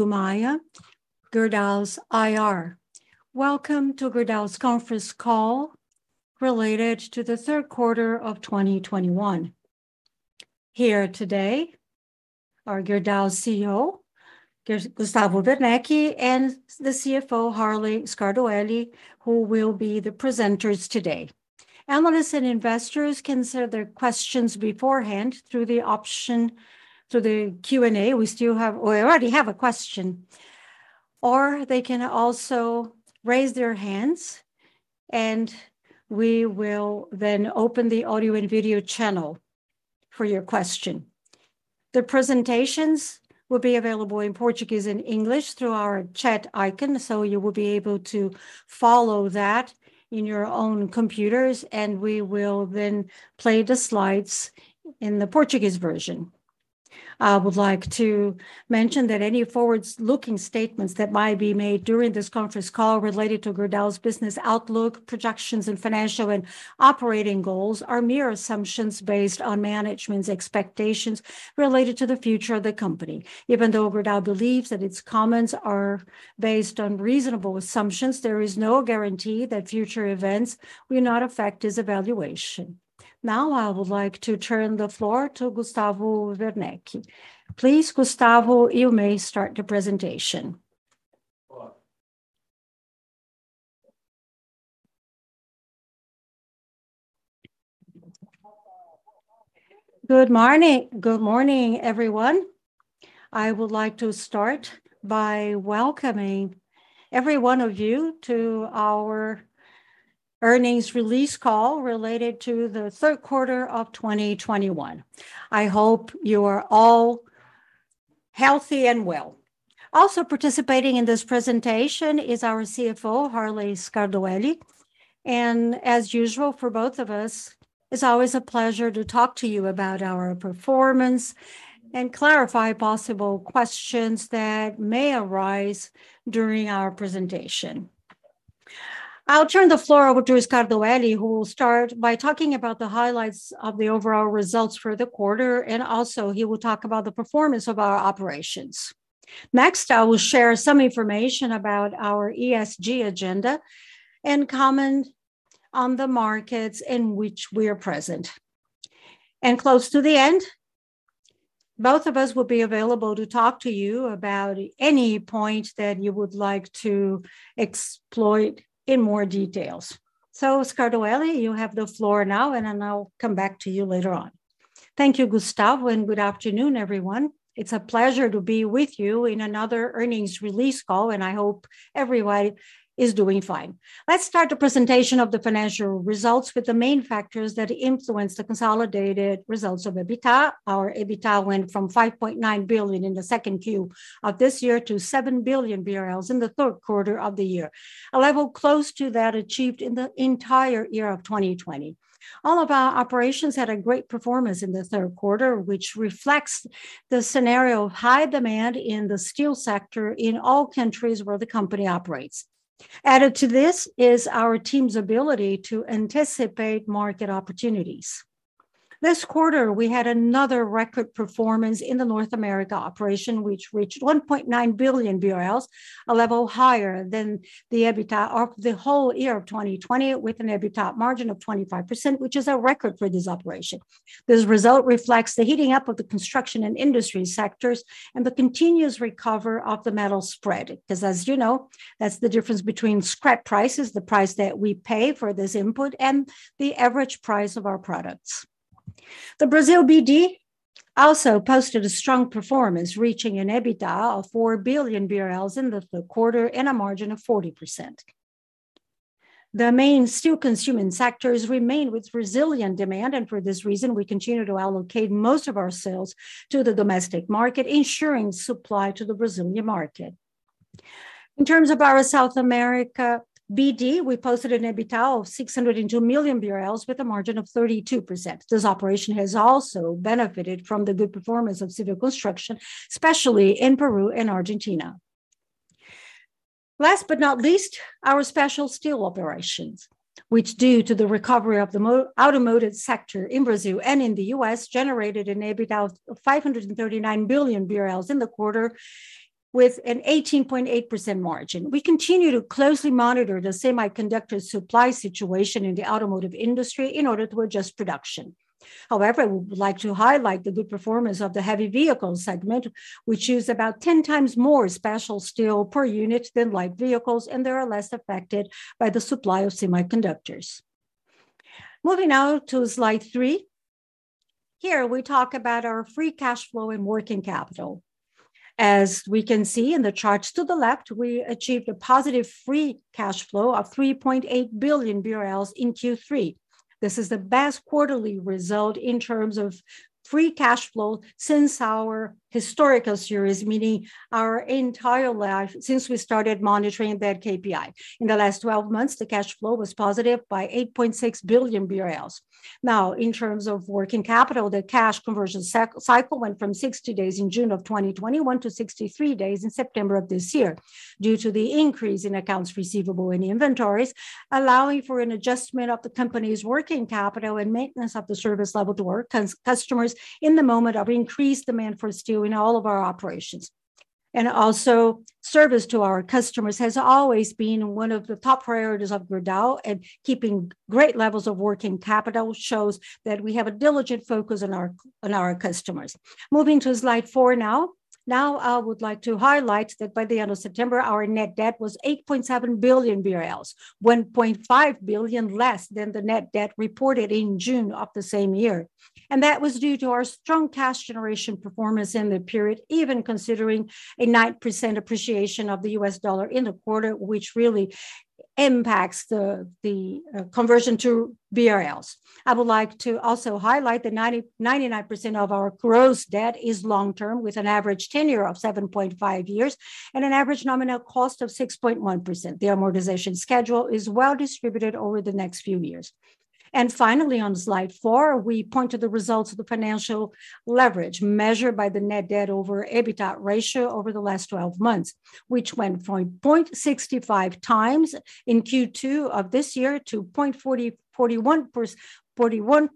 Rodrigo Maia, Gerdau's IR. Welcome to Gerdau's conference call related to the third quarter of 2021. Here today are Gerdau's CEO, Gustavo Werneck and the CFO, Harley Scardoelli, who will be the presenters today. Analysts and investors can send their questions beforehand through the option, through the Q&A. We already have a question. Or they can also raise their hands, and we will then open the audio and video channel for your question. The presentations will be available in Portuguese and English through our chat icon, so you will be able to follow that in your own computers, and we will then play the slides in the Portuguese version. I would like to mention that any forward-looking statements that might be made during this conference call related to Gerdau's business outlook, projections, and financial and operating goals are mere assumptions based on management's expectations related to the future of the company. Even though Gerdau believes that its comments are based on reasonable assumptions, there is no guarantee that future events will not affect this evaluation. Now, I would like to turn the floor to Gustavo Werneck. Please, Gustavo, you may start the presentation. Good morning. Good morning, everyone. I would like to start by welcoming every one of you to our earnings release call related to the third quarter of 2021. I hope you are all healthy and well. Also participating in this presentation is our CFO, Harley Scardoelli. As usual, for both of us, it's always a pleasure to talk to you about our performance and clarify possible questions that may arise during our presentation. I'll turn the floor over to Scardoelli, who will start by talking about the highlights of the overall results for the quarter, and also he will talk about the performance of our operations. Next, I will share some information about our ESG agenda and comment on the markets in which we are present. Close to the end, both of us will be available to talk to you about any point that you would like to exploit in more details. Scardoelli, you have the floor now, and then I'll come back to you later on. Thank you, Gustavo, and good afternoon, everyone. It's a pleasure to be with you in another earnings release call, and I hope everybody is doing fine. Let's start the presentation of the financial results with the main factors that influence the consolidated results of EBITDA. Our EBITDA went from 5.9 billion in the second Q of this year to 7 billion BRL in the third quarter of the year, a level close to that achieved in the entire year of 2020. All of our operations had a great performance in the third quarter, which reflects the scenario of high demand in the steel sector in all countries where the company operates. Added to this is our team's ability to anticipate market opportunities. This quarter, we had another record performance in the North America operation, which reached 1.9 billion BRL, a level higher than the EBITDA of the whole year of 2020 with an EBITDA margin of 25%, which is a record for this operation. This result reflects the heating up of the construction and industry sectors and the continuous recover of the metal spread. Because as you know, that's the difference between scrap prices, the price that we pay for this input, and the average price of our products. The Brazil BD also posted a strong performance, reaching an EBITDA of 4 billion BRL in the third quarter and a margin of 40%. The main steel-consuming sectors remain with resilient demand, and for this reason, we continue to allocate most of our sales to the domestic market, ensuring supply to the Brazilian market. In terms of our South America BD, we posted an EBITDA of 602 million BRL with a margin of 32%. This operation has also benefited from the good performance of civil construction, especially in Peru and Argentina. Last but not least, our special steel operations, which, due to the recovery of the automotive sector in Brazil and in the U.S., generated an EBITDA of 539 million BRL in the quarter with an 18.8% margin. We continue to closely monitor the semiconductor supply situation in the automotive industry in order to adjust production. However, we would like to highlight the good performance of the heavy vehicle segment, which uses about 10x more special steel per unit than light vehicles, and they are less affected by the supply of semiconductors. Moving now to slide three. Here, we talk about our free cash flow and working capital. As we can see in the charts to the left, we achieved a positive free cash flow of 3.8 billion BRL in Q3. This is the best quarterly result in terms of free cash flow since our historical series, meaning our entire life since we started monitoring that KPI. In the last 12 months, the cash flow was positive by 8.6 billion BRL. Now, in terms of working capital, the cash conversion cycle went from 60 days in June of 2021 to 63 days in September of this year due to the increase in accounts receivable in the inventories, allowing for an adjustment of the company's working capital and maintenance of the service level to our customers in the moment of increased demand for steel in all of our operations. Service to our customers has always been one of the top priorities of Gerdau, and keeping great levels of working capital shows that we have a diligent focus on our customers. Moving to slide four now. I would like to highlight that by the end of September, our net debt was 8.7 billion BRL, 1.5 billion less than the net debt reported in June of the same year, and that was due to our strong cash generation performance in the period, even considering a 9% appreciation of the U.S. dollar in the quarter, which really impacts the conversion to reals. I would like to also highlight that 90%-99% of our gross debt is long-term, with an average tenure of 7.5 years and an average nominal cost of 6.1%. The amortization schedule is well-distributed over the next few years. Finally, on slide four, we point to the results of the financial leverage measured by the net debt over EBITDA ratio over the last 12 months, which went from 0.65x in Q2 of this year to 0.40x-0.41x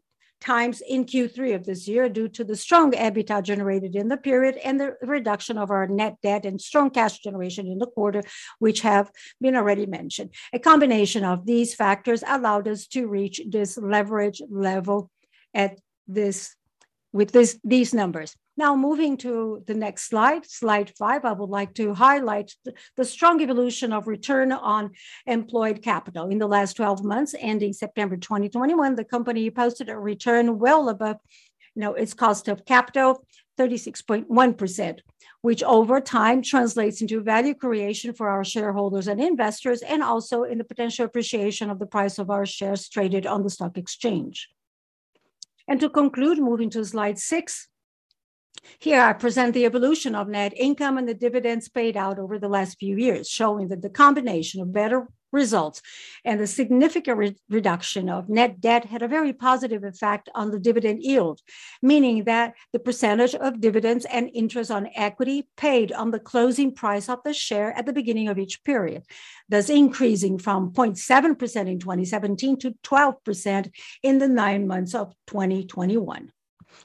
in Q3 of this year due to the strong EBITDA generated in the period and the reduction of our net debt and strong cash generation in the quarter, which have been already mentioned. A combination of these factors allowed us to reach this leverage level with these numbers. Now moving to the next slide five, I would like to highlight the strong evolution of return on employed capital. In the last 12 months ending September 2021, the company posted a return well above, you know, its cost of capital, 36.1%, which over time translates into value creation for our shareholders and investors and also in the potential appreciation of the price of our shares traded on the stock exchange. To conclude, moving to slide six, here I present the evolution of net income and the dividends paid out over the last few years, showing that the combination of better results and the significant reduction of net debt had a very positive effect on the dividend yield. Meaning that the percentage of dividends and interest on equity paid on the closing price of the share at the beginning of each period, thus increasing from 0.7% in 2017 to 12% in the nine months of 2021.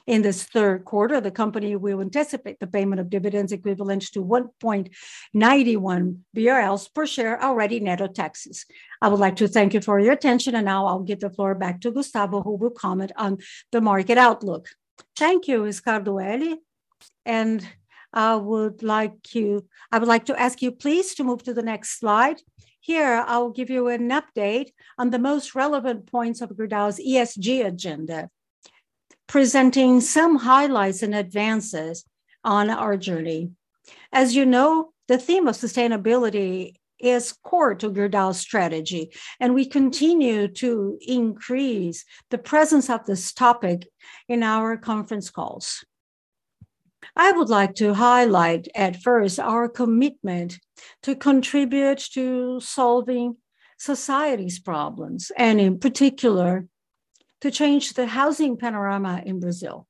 In this third quarter, the company will anticipate the payment of dividends equivalent to 1.91 BRL per share, already net of taxes. I would like to thank you for your attention, and now I'll give the floor back to Gustavo, who will comment on the market outlook. Thank you, Scardoelli. I would like to ask you please to move to the next slide. Here, I will give you an update on the most relevant points of Gerdau's ESG agenda, presenting some highlights and advances on our journey. As you know, the theme of sustainability is core to Gerdau's strategy, and we continue to increase the presence of this topic in our conference calls. I would like to highlight at first our commitment to contribute to solving society's problems, and in particular, to change the housing panorama in Brazil.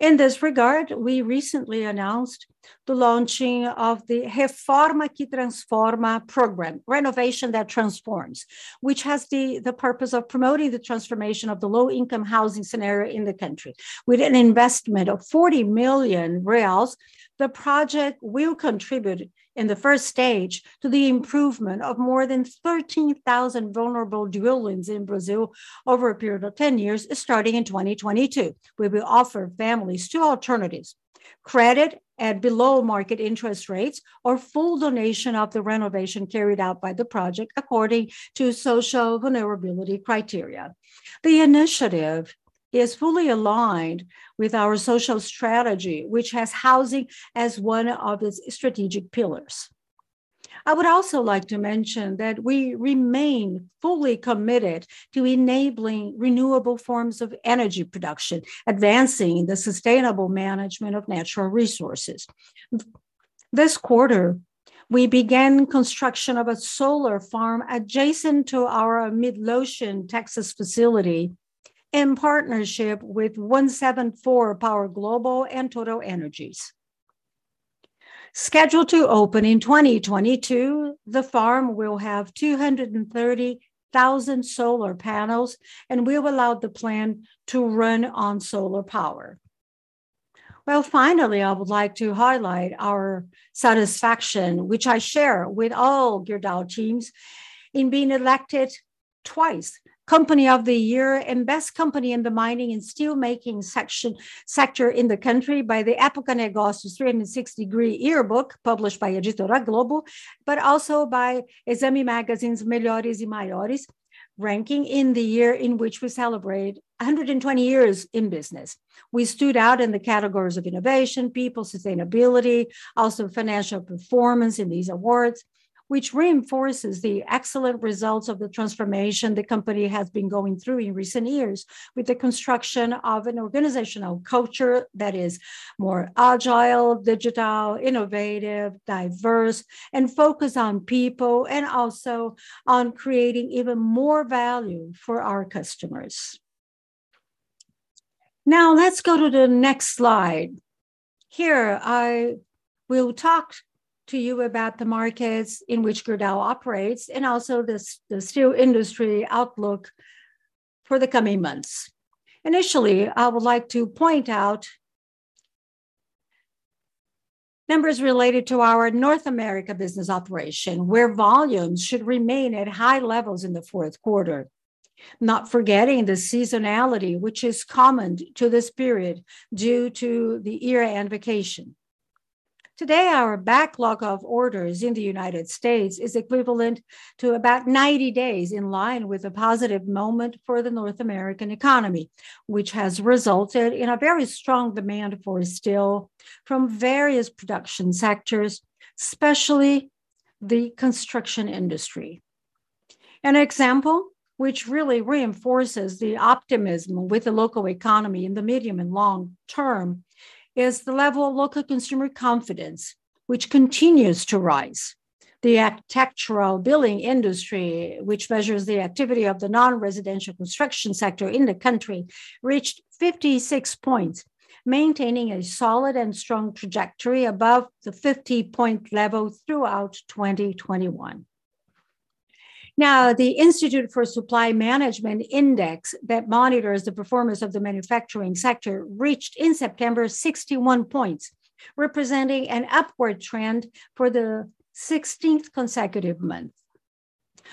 In this regard, we recently announced the launching of the Reforma que Transforma program, Renovation that Transforms, which has the purpose of promoting the transformation of the low-income housing scenario in the country. With an investment of 40 million reais, the project will contribute in the first stage to the improvement of more than 13,000 vulnerable dwellings in Brazil over a period of 10 years, starting in 2022. We will offer families two alternatives, credit at below-market interest rates, or full donation of the renovation carried out by the project according to social vulnerability criteria. The initiative is fully aligned with our social strategy, which has housing as one of its strategic pillars. I would also like to mention that we remain fully committed to enabling renewable forms of energy production, advancing the sustainable management of natural resources. This quarter, we began construction of a solar farm adjacent to our Midlothian, Texas facility in partnership with 174 Power Global and TotalEnergies. Scheduled to open in 2022, the farm will have 230,000 solar panels and will allow the plant to run on solar power. Well, finally, I would like to highlight our satisfaction, which I share with all Gerdau teams, in being elected twice Company of the Year and Best Company in the mining and steel-making sector in the country by the Época NEGÓCIOS 360 degree yearbook, published by Editora Globo, but also by Exame magazine's Melhores & Maiores ranking in the year in which we celebrate 120 years in business. We stood out in the categories of innovation, people, sustainability, also financial performance in these awards, which reinforces the excellent results of the transformation the company has been going through in recent years with the construction of an organizational culture that is more agile, digital, innovative, diverse, and focused on people, and also on creating even more value for our customers. Now let's go to the next slide. Here, I will talk to you about the markets in which Gerdau operates, and also the steel industry outlook for the coming months. Initially, I would like to point out numbers related to our North America business operation, where volumes should remain at high levels in the fourth quarter, not forgetting the seasonality, which is common to this period due to the year-end vacation. Today, our backlog of orders in the United States is equivalent to about 90 days, in line with a positive moment for the North American economy, which has resulted in a very strong demand for steel from various production sectors, especially the construction industry. An example which really reinforces the optimism with the local economy in the medium and long term is the level of local consumer confidence, which continues to rise. The architectural building industry, which measures the activity of the non-residential construction sector in the country, reached 56 points, maintaining a solid and strong trajectory above the 50-point level throughout 2021. Now, the Institute for Supply Management index that monitors the performance of the manufacturing sector reached, in September, 61 points, representing an upward trend for the 16th consecutive month.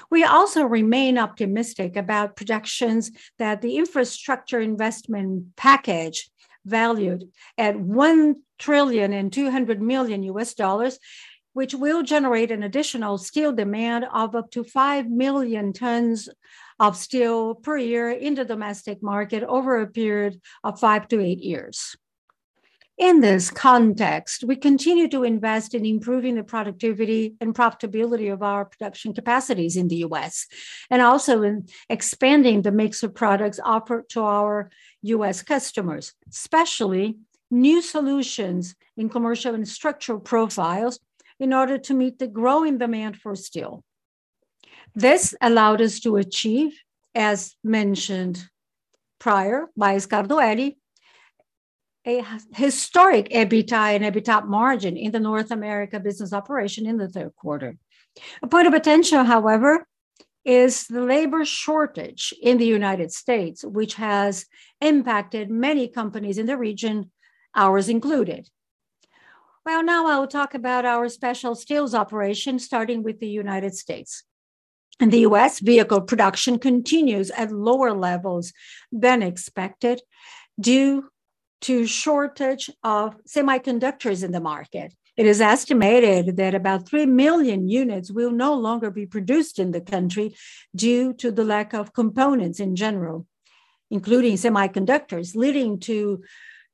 We remain optimistic about projections that the infrastructure investment package valued at $1.2 trillion, which will generate an additional steel demand of up to 5 million tons of steel per year in the domestic market over a period of five-eight years. In this context, we continue to invest in improving the productivity and profitability of our production capacities in the U.S. and also in expanding the mix of products offered to our U.S. customers, especially new solutions in commercial and structural profiles in order to meet the growing demand for steel. This allowed us to achieve, as mentioned prior by Scardoelli, a historic EBITDA and EBIT margin in the North America business operation in the third quarter. A point of attention, however, is the labor shortage in the United States, which has impacted many companies in the region, ours included. Well, now I will talk about our special steels operation, starting with the United States. In the U.S., vehicle production continues at lower levels than expected due to shortage of semiconductors in the market. It is estimated that about 3 million units will no longer be produced in the country due to the lack of components in general, including semiconductors leading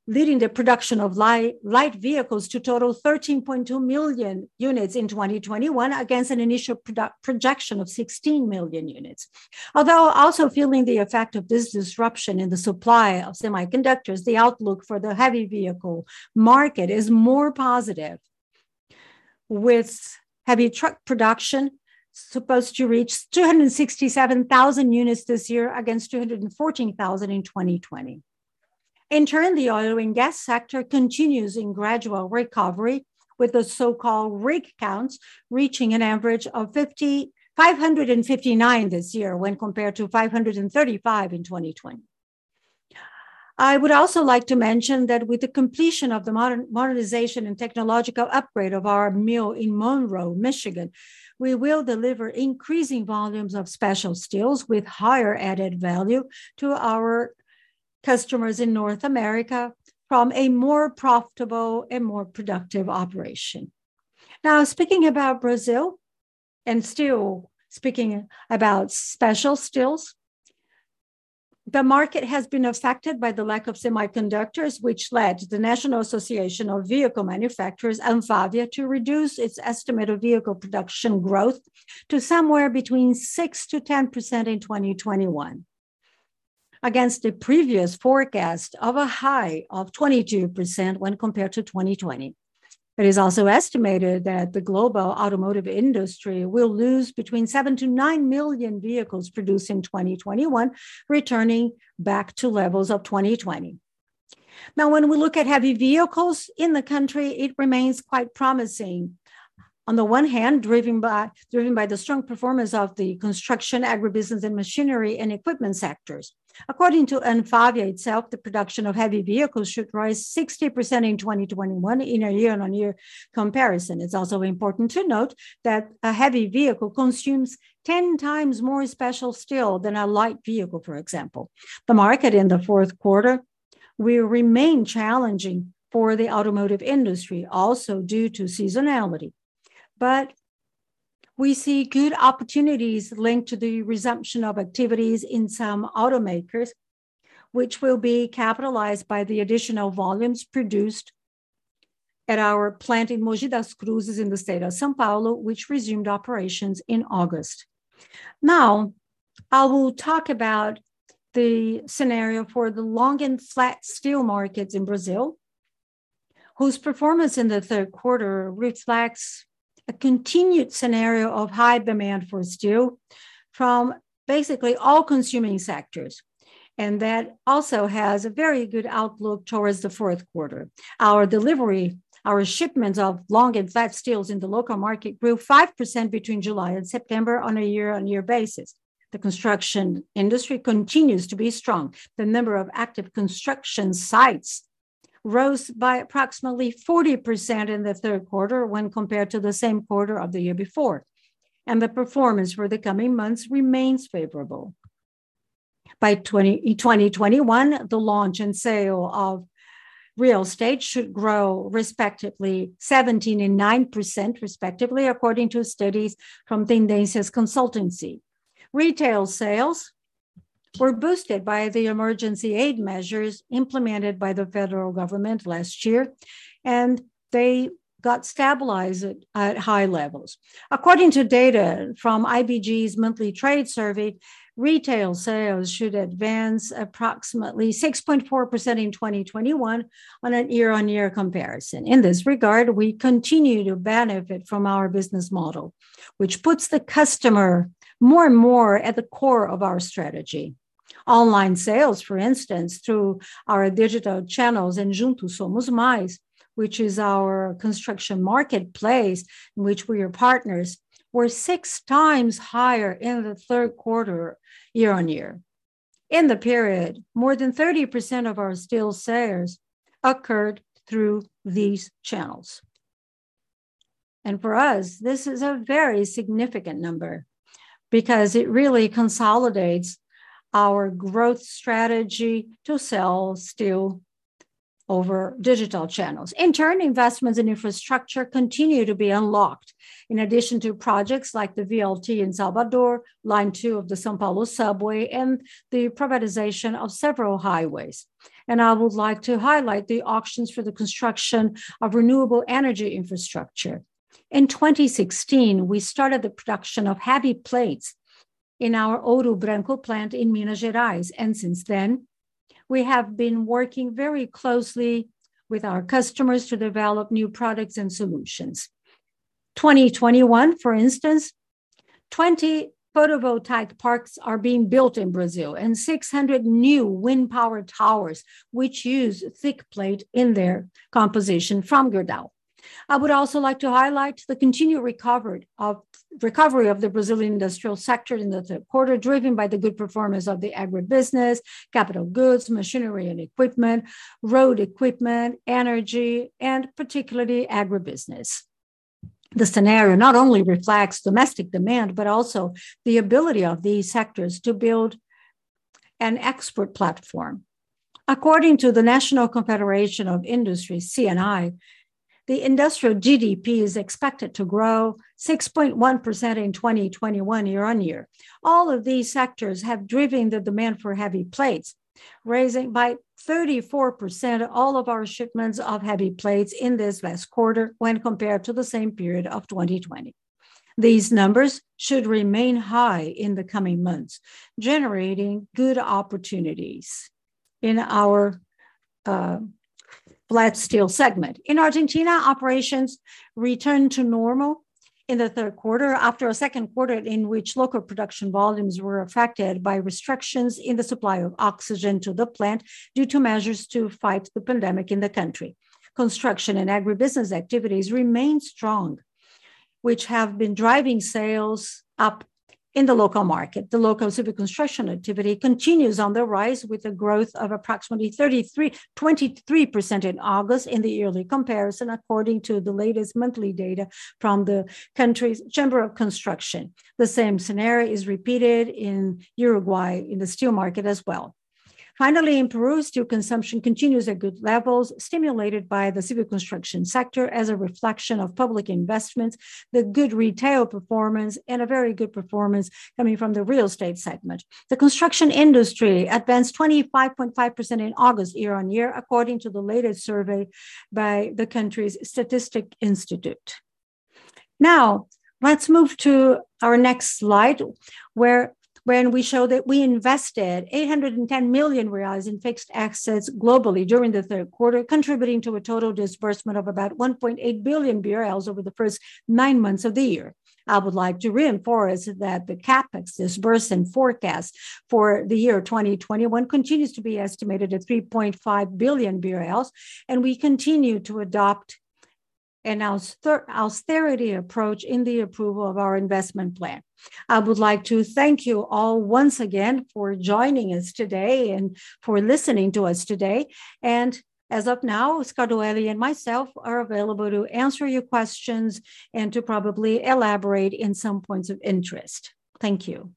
the production of light vehicles to total 13.2 million units in 2021 against an initial projection of 16 million units. Although also feeling the effect of this disruption in the supply of semiconductors, the outlook for the heavy vehicle market is more positive, with heavy truck production supposed to reach 267,000 units this year against 214,000 in 2020. The oil and gas sector continues in gradual recovery, with the so-called rig counts reaching an average of 559 this year when compared to 535 in 2020. I would also like to mention that with the completion of the modernization and technological upgrade of our mill in Monroe, Michigan, we will deliver increasing volumes of special steels with higher added value to our customers in North America from a more profitable and more productive operation. Now speaking about Brazil and still speaking about special steels, the market has been affected by the lack of semiconductors, which led the Brazilian National Association of Automotive Vehicle Manufacturers, ANFAVEA, to reduce its estimate of vehicle production growth to somewhere between 6%-10% in 2021, against a previous forecast of a high of 22% when compared to 2020. It is also estimated that the global automotive industry will lose between 7 million-9 million vehicles produced in 2021, returning back to levels of 2020. Now when we look at heavy vehicles in the country, it remains quite promising. On the one hand, driven by the strong performance of the construction, agribusiness and machinery and equipment sectors. According to ANFAVEA itself, the production of heavy vehicles should rise 60% in 2021 in a year-on-year comparison. It's also important to note that a heavy vehicle consumes 10x more special steel than a light vehicle, for example. The market in the fourth quarter will remain challenging for the automotive industry, also due to seasonality. We see good opportunities linked to the resumption of activities in some automakers, which will be capitalized by the additional volumes produced at our plant in Mogi das Cruzes in the state of São Paulo, which resumed operations in August. Now, I will talk about the scenario for the long and flat steel markets in Brazil, whose performance in the third quarter reflects a continued scenario of high demand for steel from basically all consuming sectors. That also has a very good outlook towards the fourth quarter. Our deliveries, our shipments of long and flat steels in the local market grew 5% between July and September on a year-on-year basis. The construction industry continues to be strong. The number of active construction sites rose by approximately 40% in the third quarter when compared to the same quarter of the year before, and the performance for the coming months remains favorable. By 2021, the launch and sale of real estate should grow respectively 17% and 9% respectively, according to studies from Tendências Consultoria. Retail sales were boosted by the emergency aid measures implemented by the federal government last year, and they got stabilized at high levels. According to data from IBGE's monthly trade survey, retail sales should advance approximately 6.4% in 2021 on a year-on-year comparison. In this regard, we continue to benefit from our business model, which puts the customer more and more at the core of our strategy. Online sales, for instance, through our digital channels and Juntos Somos Mais, which is our construction marketplace in which we are partners, were 6x higher in the third quarter year-over-year. In the period, more than 30% of our steel sales occurred through these channels. For us, this is a very significant number because it really consolidates our growth strategy to sell steel over digital channels. In turn, investments in infrastructure continue to be unlocked, in addition to projects like the VLT in Salvador, line two of the São Paulo subway, and the privatization of several highways. I would like to highlight the auctions for the construction of renewable energy infrastructure. In 2016, we started the production of heavy plates in our Ouro Branco plant in Minas Gerais, and since then, we have been working very closely with our customers to develop new products and solutions. In 2021, for instance, 20 photovoltaic parks are being built in Brazil and 600 new wind-powered towers, which use thick plate in their composition from Gerdau. I would also like to highlight the continued recovery of the Brazilian industrial sector in the third quarter, driven by the good performance of the agribusiness, capital goods, machinery and equipment, road equipment, energy, and particularly agribusiness. The scenario not only reflects domestic demand, but also the ability of these sectors to build an export platform. According to the National Confederation of Industry, CNI, the industrial GDP is expected to grow 6.1% in 2021 year-on-year. All of these sectors have driven the demand for heavy plates, raising by 34% all of our shipments of heavy plates in this last quarter when compared to the same period of 2020. These numbers should remain high in the coming months, generating good opportunities in our flat steel segment. In Argentina, operations returned to normal in the third quarter after a second quarter in which local production volumes were affected by restrictions in the supply of oxygen to the plant due to measures to fight the pandemic in the country. Construction and agribusiness activities remain strong, which have been driving sales up in the local market. The local civil construction activity continues on the rise with a growth of approximately 23% in August in the yearly comparison, according to the latest monthly data from the country's Chamber of Construction. The same scenario is repeated in Uruguay in the steel market as well. Finally, in Peru, steel consumption continues at good levels, stimulated by the civil construction sector as a reflection of public investments, the good retail performance, and a very good performance coming from the real estate segment. The construction industry advanced 25.5% in August year-over-year, according to the latest survey by the country's statistics institute. Now, let's move to our next slide, where we show that we invested 810 million reais in fixed assets globally during the third quarter, contributing to a total disbursement of about 1.8 billion BRL over the first nine months of the year. I would like to reinforce that the CapEx disbursement forecast for the year 2021 continues to be estimated at 3.5 billion BRL, and we continue to adopt an austerity approach in the approval of our investment plan. I would like to thank you all once again for joining us today and for listening to us today. As of now, Scardoelli and myself are available to answer your questions and to probably elaborate in some points of interest. Thank you.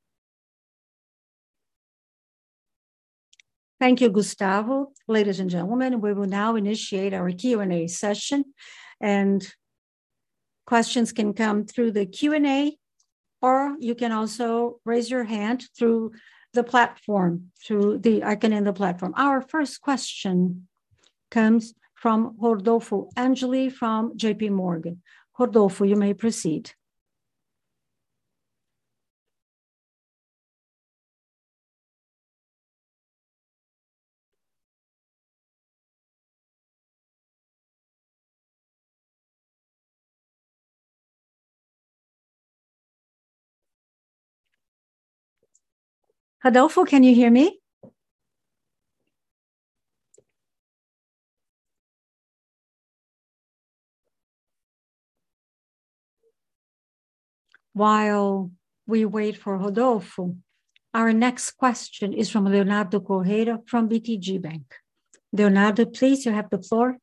Thank you, Gustavo. Ladies and gentlemen, we will now initiate our Q&A session, and questions can come through the Q&A, or you can also raise your hand through the platform, through the icon in the platform. Our first question comes from Rodolfo Angele from JPMorgan. Rodolfo, you may proceed. Rodolfo, can you hear me? While we wait for Rodolfo, our next question is from Leonardo Correa from BTG Pactual. Leonardo, please, you have the floor.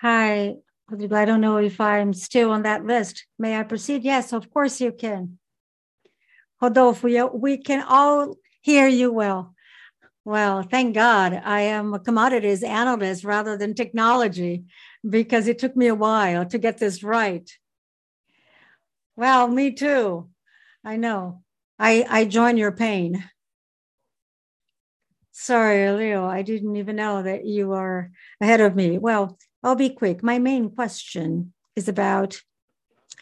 Hi. I don't know if I'm still on that list. May I proceed? Yes, of course you can. Rodolfo, we can all hear you well. Well, thank God I am a commodities analyst rather than technology because it took me a while to get this right. Well, me too. I know. I join your pain. Sorry, Leo, I didn't even know that you are ahead of me. Well, I'll be quick. My main question is about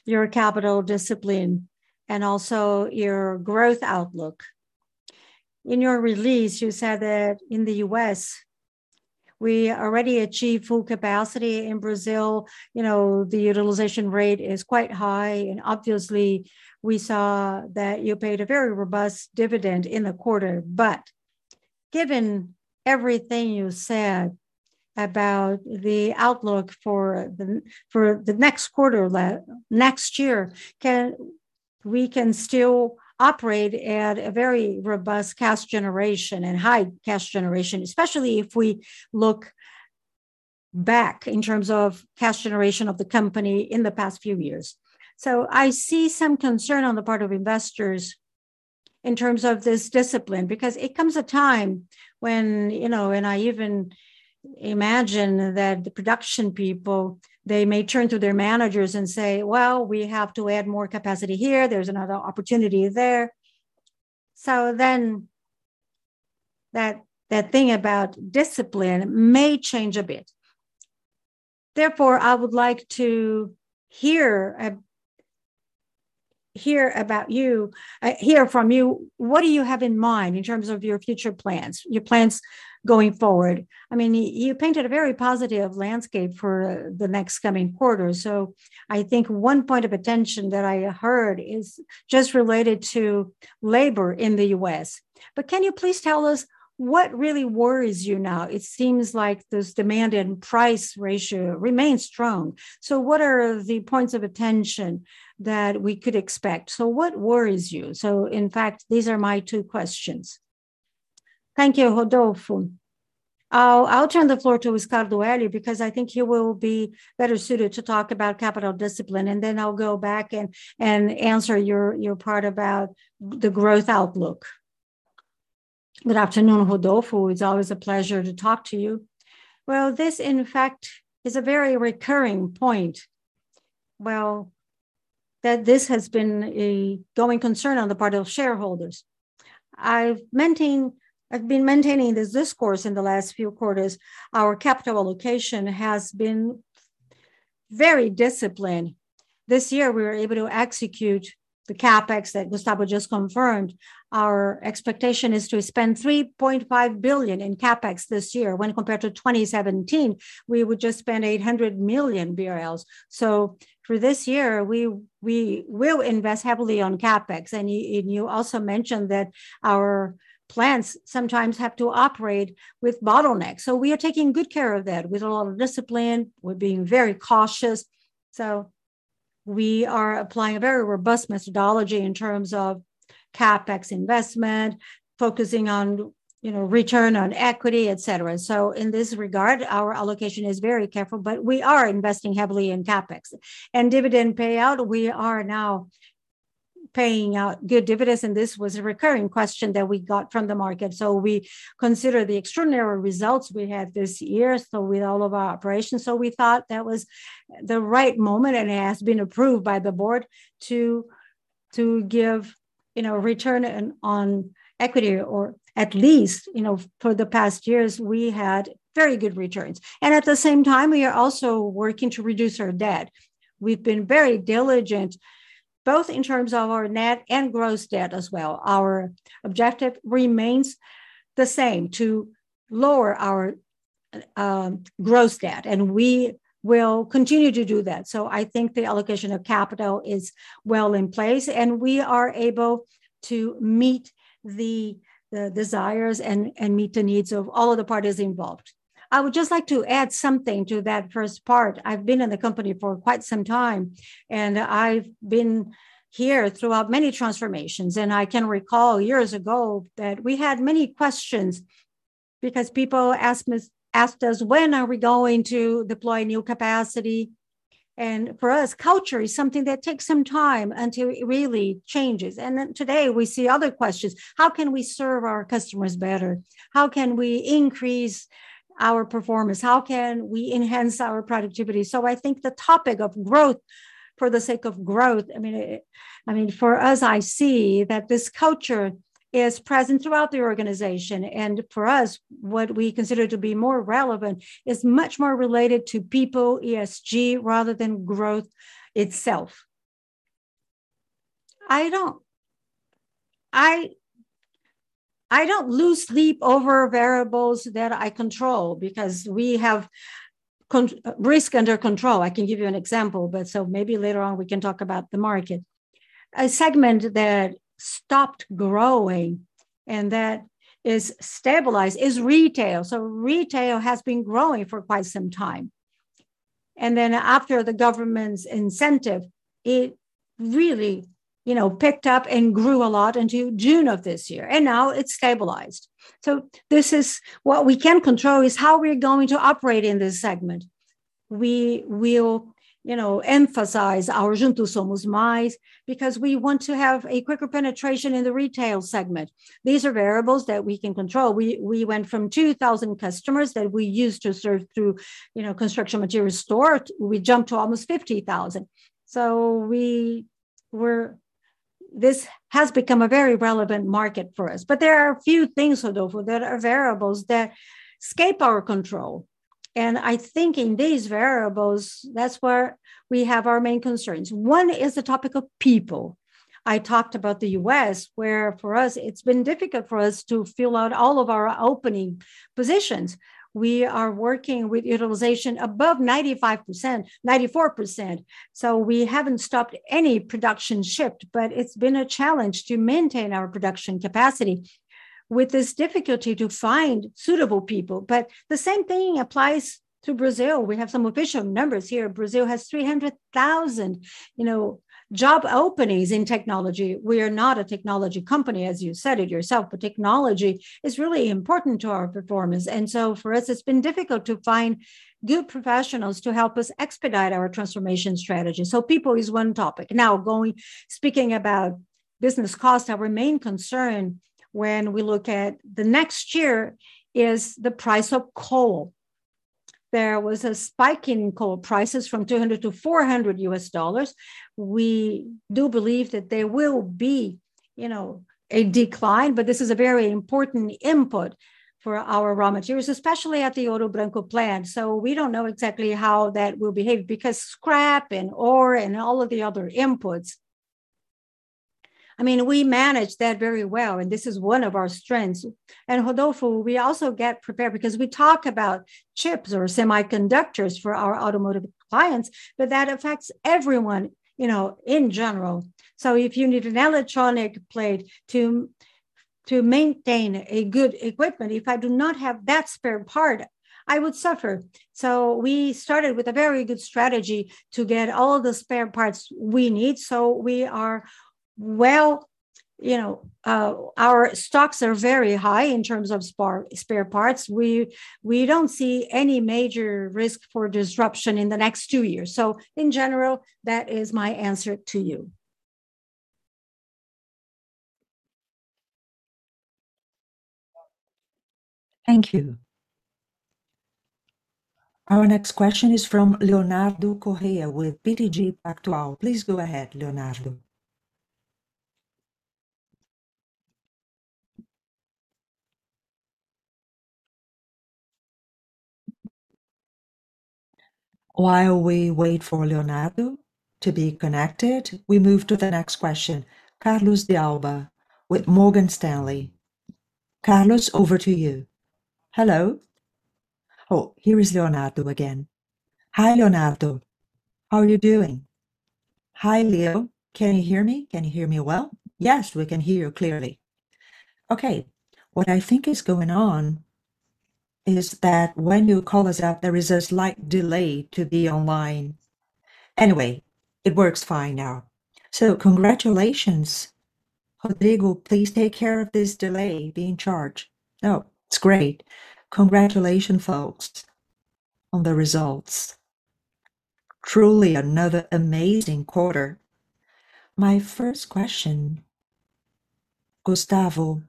your capital discipline and also your growth outlook. In your release, you said that in the U.S. we already achieved full capacity. In Brazil, you know, the utilization rate is quite high, and obviously we saw that you paid a very robust dividend in the quarter. Given everything you said about the outlook for the next year, we can still operate at a very robust cash generation and high cash generation, especially if we look back in terms of cash generation of the company in the past few years. I see some concern on the part of investors in terms of this discipline, because it comes a time when, you know, and I even imagine that the production people, they may turn to their managers and say, "Well, we have to add more capacity here. There's another opportunity there." That thing about discipline may change a bit. Therefore, I would like to hear from you, what do you have in mind in terms of your future plans, your plans going forward? I mean, you painted a very positive landscape for the next coming quarter, so I think one point of attention that I heard is just related to labor in the U.S. But can you please tell us what really worries you now? It seems like this demand and price ratio remains strong. So what are the points of attention that we could expect? So what worries you? So in fact, these are my two questions. Thank you, Rodolfo. I'll turn the floor to Harley Scardoelli because I think he will be better suited to talk about capital discipline, and then I'll go back and answer your part about the growth outlook. Good afternoon, Rodolfo. It's always a pleasure to talk to you. Well, this, in fact, is a very recurring point. Well, that this has been a growing concern on the part of shareholders. I've maintain... I've been maintaining this discourse in the last few quarters. Our capital allocation has been very disciplined. This year we were able to execute the CapEx that Gustavo just confirmed. Our expectation is to spend 3.5 billion in CapEx this year. When compared to 2017, we would just spend 800 million. For this year, we will invest heavily on CapEx. You also mentioned that our plants sometimes have to operate with bottlenecks, so we are taking good care of that with a lot of discipline. We're being very cautious, so we are applying a very robust methodology in terms of CapEx investment, focusing on, you know, return on equity, et cetera. In this regard, our allocation is very careful, but we are investing heavily in CapEx. Dividend payout, we are now paying out good dividends, and this was a recurring question that we got from the market. We consider the extraordinary results we had this year, with all of our operations. We thought that was the right moment, and it has been approved by the board to give, you know, return on equity, or at least, you know, for the past years, we had very good returns. At the same time, we are also working to reduce our debt. We've been very diligent, both in terms of our net and gross debt as well. Our objective remains the same, to lower our gross debt, and we will continue to do that. I think the allocation of capital is well in place, and we are able to meet the desires and meet the needs of all of the parties involved. I would just like to add something to that first part. I've been in the company for quite some time, and I've been here throughout many transformations, and I can recall years ago that we had many questions because people asked us, when are we going to deploy new capacity? For us, culture is something that takes some time until it really changes. Today we see other questions. How can we serve our customers better? How can we increase our performance? How can we enhance our productivity? I think the topic of growth for the sake of growth, I mean, for us, I see that this culture is present throughout the organization. For us, what we consider to be more relevant is much more related to people, ESG, rather than growth itself. I don't lose sleep over variables that I control because we have control risk under control. I can give you an example, but maybe later on we can talk about the market. A segment that stopped growing and that is stabilized is retail. Retail has been growing for quite some time. Then after the government's incentive, it really, you know, picked up and grew a lot until June of this year, and now it's stabilized. This is what we can control is how we're going to operate in this segment. We will, you know, emphasize our Juntos Somos Mais because we want to have a quicker penetration in the retail segment. These are variables that we can control. We went from 2,000 customers that we used to serve through, you know, construction materials store. We jumped to almost 50,000. This has become a very relevant market for us. There are a few things, Rodolfo, that are variables that escape our control. I think in these variables, that's where we have our main concerns. One is the topic of people. I talked about the U.S., where for us it's been difficult for us to fill out all of our opening positions. We are working with utilization above 95%, 94%, so we haven't stopped any production shift. It's been a challenge to maintain our production capacity with this difficulty to find suitable people. The same thing applies to Brazil. We have some official numbers here. Brazil has 300,000, you know, job openings in technology. We are not a technology company, as you said it yourself, but technology is really important to our performance. For us, it's been difficult to find good professionals to help us expedite our transformation strategy. People is one topic. Now speaking about business costs, our main concern when we look at the next year is the price of coal. There was a spike in coal prices from $200 to $400. We do believe that there will be, you know, a decline, but this is a very important input for our raw materials, especially at the Ouro Branco plant. We don't know exactly how that will behave because scrap and ore and all of the other inputs. I mean, we manage that very well, and this is one of our strengths. Rodolfo, we also get prepared because we talk about chips or semiconductors for our automotive clients, but that affects everyone, you know, in general. If you need an electronic plate to maintain good equipment, if I do not have that spare part, I would suffer. We started with a very good strategy to get all the spare parts we need. We are well. You know, our stocks are very high in terms of spare parts. We don't see any major risk for disruption in the next two years. In general, that is my answer to you. Thank you. Our next question is from Leonardo Correa with BTG Pactual. Please go ahead, Leonardo. While we wait for Leonardo to be connected, we move to the next question. Carlos de Alba with Morgan Stanley. Carlos, over to you. Hello? Oh, here is Leonardo again. Hi, Leonardo. How are you doing? Hi, Leo. Can you hear me? Can you hear me well? Yes, we can hear you clearly. Okay. What I think is going on is that when you call us up, there is a slight delay to be online. Anyway, it works fine now. Congratulations. Rodrigo, please take care of this delay, be in charge. Oh, it's great. Congratulations, folks, on the results. Truly another amazing quarter. My first question, Gustavo,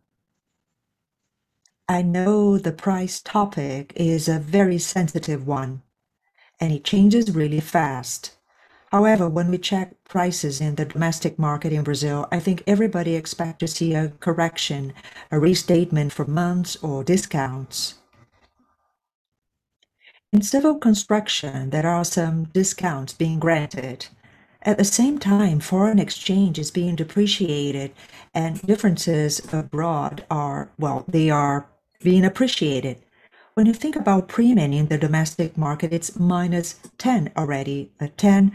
I know the price topic is a very sensitive one, and it changes really fast. However, when we check prices in the domestic market in Brazil, I think everybody expect to see a correction, a restatement for months or discounts. In civil construction, there are some discounts being granted. At the same time, foreign exchange is being depreciated and differences abroad are, well, they are being appreciated. When you think about premium in the domestic market, it's -10% already. A 10%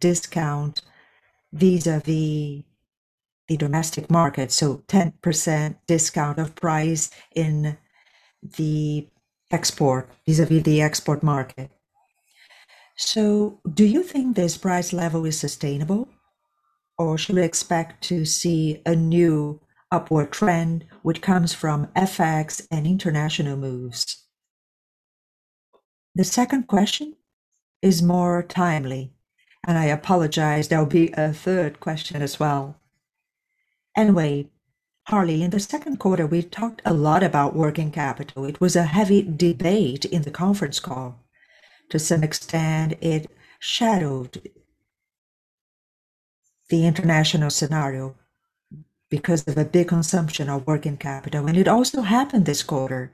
discount vis-à-vis the domestic market, so 10% discount of price in the export, vis-à-vis the export market. Do you think this price level is sustainable, or should we expect to see a new upward trend which comes from FX and international moves? The second question is more timely, and I apologize, there will be a third question as well. Anyway, Harley, in the second quarter, we talked a lot about working capital. It was a heavy debate in the conference call. To some extent, it shadowed the international scenario. Because of a big consumption of working capital, and it also happened this quarter.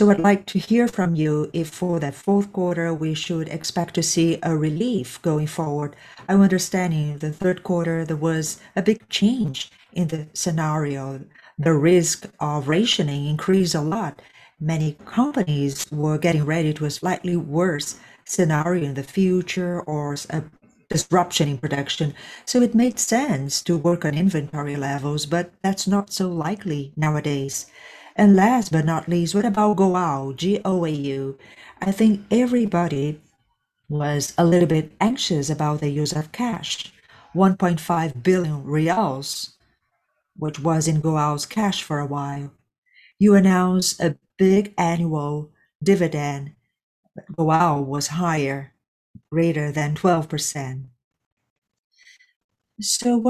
I'd like to hear from you if for the fourth quarter we should expect to see a relief going forward. I'm understanding the third quarter there was a big change in the scenario. The risk of rationing increased a lot. Many companies were getting ready to a slightly worse scenario in the future or a disruption in production. It made sense to work on inventory levels, but that's not so likely nowadays. Last but not least, what about GOAU, G-O-A-U? I think everybody was a little bit anxious about the use of cash, 1.5 billion reais, which was in GOAU's cash for a while. You announced a big annual dividend. GOAU was higher, greater than 12%.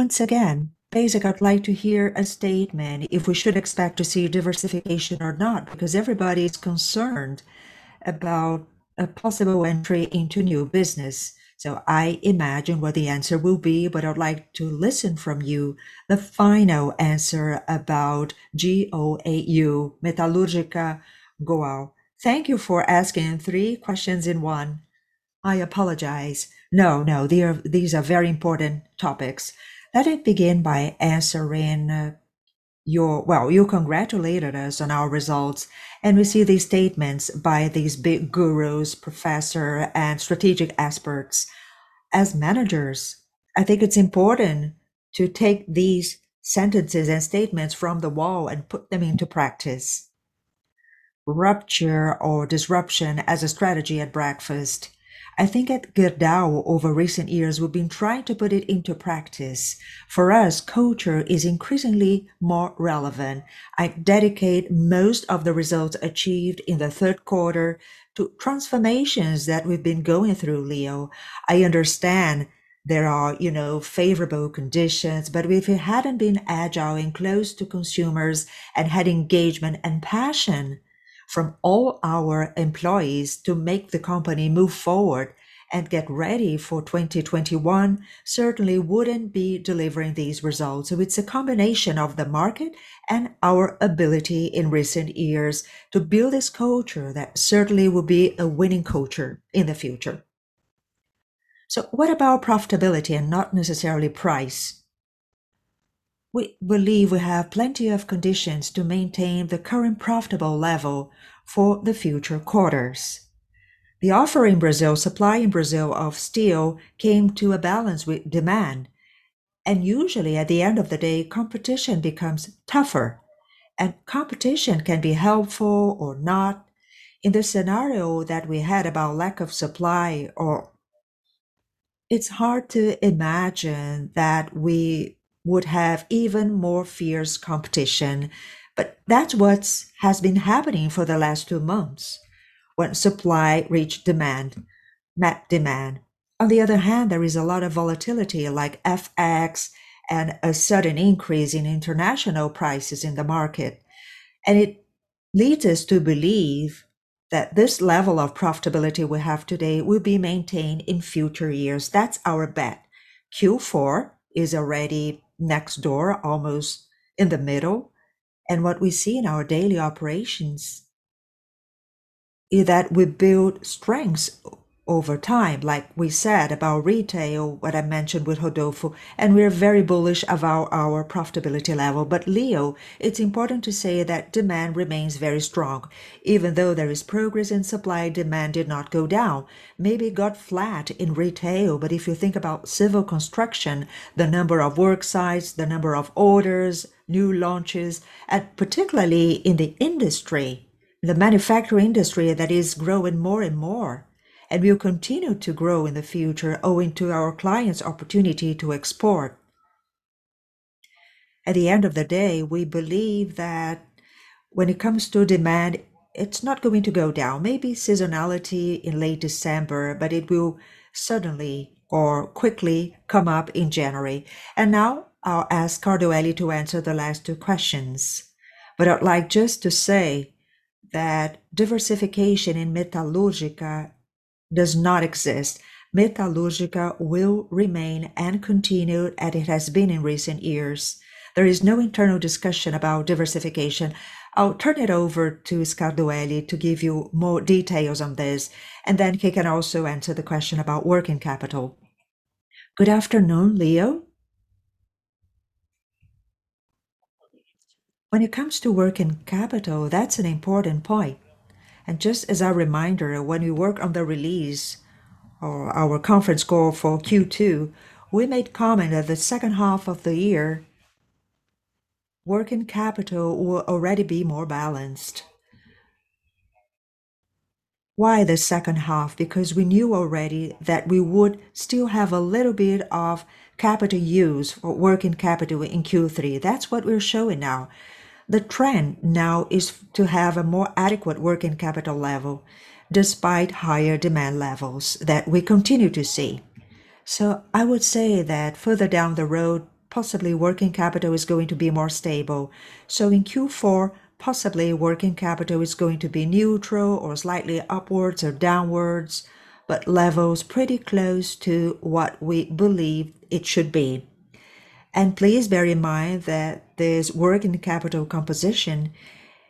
Once again, basic, I'd like to hear a statement if we should expect to see diversification or not, because everybody is concerned about a possible entry into new business. I imagine what the answer will be, but I'd like to listen from you the final answer about GOAU, Metalúrgica Gerdau. Thank you for asking three questions in one. I apologize. No, no, they are. These are very important topics. Let me begin by answering your. Well, you congratulated us on our results, and we see these statements by these big gurus, professor, and strategic experts. As managers, I think it's important to take these sentences and statements from the wall and put them into practice. Rupture or disruption as a strategy at breakfast. I think at Gerdau over recent years, we've been trying to put it into practice. For us, culture is increasingly more relevant. I dedicate most of the results achieved in the third quarter to transformations that we've been going through, Leo. I understand there are, you know, favorable conditions, but if it hadn't been agile and close to consumers and had engagement and passion from all our employees to make the company move forward and get ready for 2021 certainly wouldn't be delivering these results. It's a combination of the market and our ability in recent years to build this culture that certainly will be a winning culture in the future. What about profitability and not necessarily price? We believe we have plenty of conditions to maintain the current profitable level for the future quarters. The offer in Brazil, supply in Brazil of steel came to a balance with demand. Usually at the end of the day, competition becomes tougher, and competition can be helpful or not. In the scenario that we had about lack of supply or it's hard to imagine that we would have even more fierce competition, but that's what has been happening for the last two months when supply reached demand, met demand. On the other hand, there is a lot of volatility like FX and a sudden increase in international prices in the market. It leads us to believe that this level of profitability we have today will be maintained in future years. That's our bet. Q4 is already next door, almost in the middle. What we see in our daily operations is that we build strengths over time, like we said about retail, what I mentioned with Rodolfo, and we're very bullish about our profitability level. Leo, it's important to say that demand remains very strong. Even though there is progress in supply, demand did not go down. Maybe it got flat in retail, but if you think about civil construction, the number of work sites, the number of orders, new launches, and particularly in the industry, the manufacturing industry that is growing more and more and will continue to grow in the future owing to our clients' opportunity to export. At the end of the day, we believe that when it comes to demand, it's not going to go down. Maybe seasonality in late December, but it will suddenly or quickly come up in January. Now I'll ask Scardoelli to answer the last two questions. I'd like just to say that diversification in Metalúrgica does not exist. Metalúrgica will remain and continue as it has been in recent years. There is no internal discussion about diversification. I'll turn it over to Scardoelli to give you more details on this, and then he can also answer the question about working capital. Good afternoon, Leo. When it comes to working capital, that's an important point. Just as a reminder, when we work on the release or our conference call for Q2, we made comment that the second half of the year, working capital will already be more balanced. Why the second half? Because we knew already that we would still have a little bit of capital use or working capital in Q3. That's what we're showing now. The trend now is to have a more adequate working capital level despite higher demand levels that we continue to see. I would say that further down the road, possibly working capital is going to be more stable. In Q4, possibly working capital is going to be neutral or slightly upwards or downwards, but levels pretty close to what we believe it should be. Please bear in mind that this working capital composition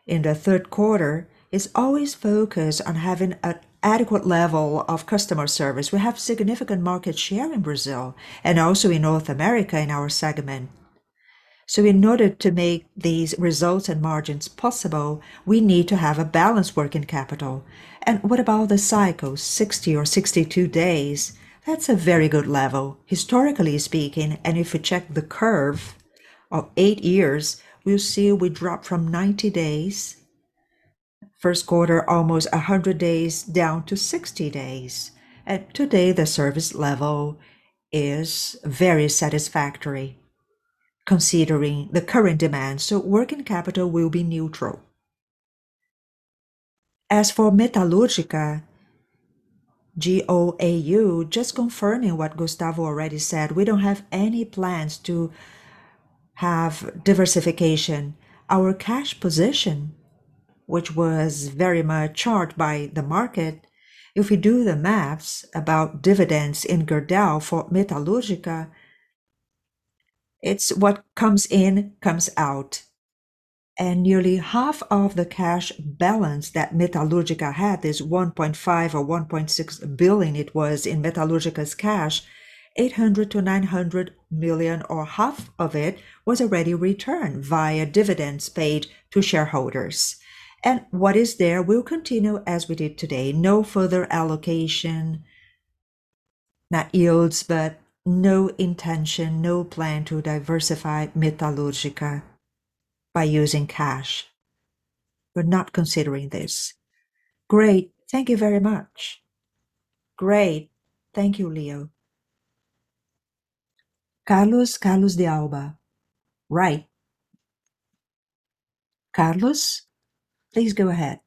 in the third quarter is always focused on having an adequate level of customer service. We have significant market share in Brazil and also in North America in our segment. In order to make these results and margins possible, we need to have a balanced working capital. What about the cycle, 60 or 62 days? That's a very good level, historically speaking. If you check the curve of eight years, you'll see we dropped from 90 days, first quarter almost 100 days down to 60 days. Today, the service level is very satisfactory considering the current demand. Working capital will be neutral. As for Metalúrgica, GOAU, just confirming what Gustavo already said, we don't have any plans to have diversification. Our cash position, which was very much cheered by the market, if we do the math about dividends in Gerdau for Metalúrgica, it's what comes in, comes out. Nearly half of the cash balance that Metalúrgica had is 1.5 billion or 1.6 billion it was in Metalúrgica's cash, 800 million-900 million or half of it was already returned via dividends paid to shareholders. What is there will continue as we did today. No further allocation, not yields, but no intention, no plan to diversify Metalúrgica by using cash. We're not considering this. Great. Thank you very much. Great. Thank you, Leo. Carlos de Alba. Right. Carlos, please go ahead.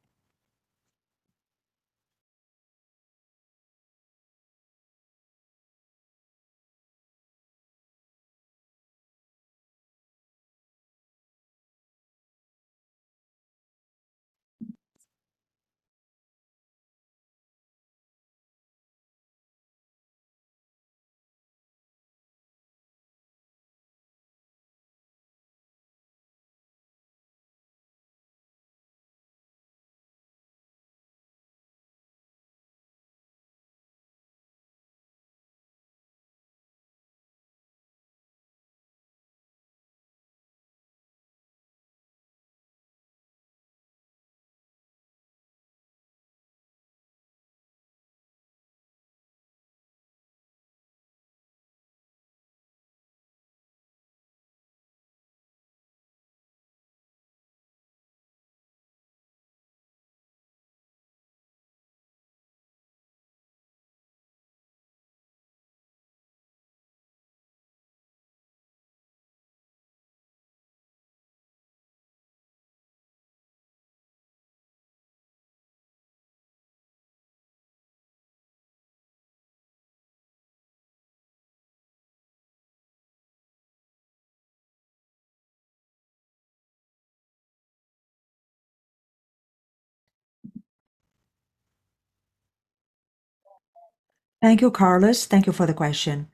Thank you, Carlos. Thank you for the question.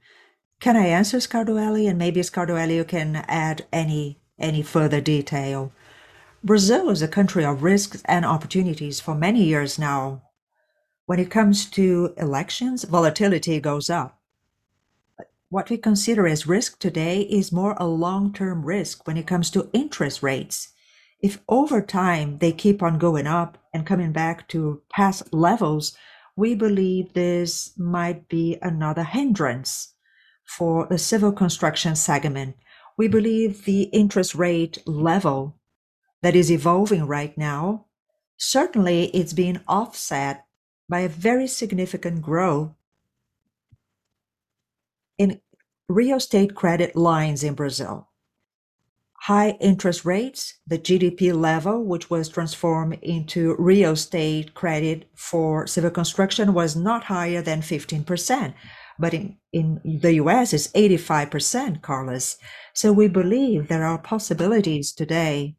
Can I answer, Scardoelli? Maybe Scardoelli, you can add any further detail. Brazil is a country of risks and opportunities for many years now. When it comes to elections, volatility goes up. What we consider as risk today is more a long-term risk when it comes to interest rates. If over time they keep on going up and coming back to past levels, we believe this might be another hindrance for a civil construction segment. We believe the interest rate level that is evolving right now, certainly it's being offset by a very significant growth in real estate credit lines in Brazil. High interest rates, the GDP level, which was transformed into real estate credit for civil construction, was not higher than 15%, but in the U.S. it's 85%, Carlos. We believe there are possibilities today